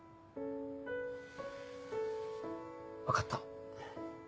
分かった。